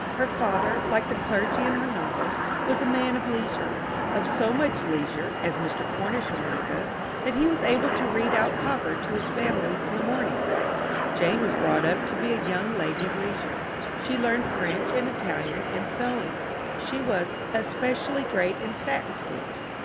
Her father, like the clergy in her novels, was a man of leisure of so much leisure, as Mr. Cornish reminds us, that he was able to read out Cowper to his family in the mornings. Jane was brought up to be a young lady of leisure. She learned French and Italian and sewing: she was "especially great in satin stitch."